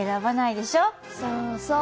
そうそう。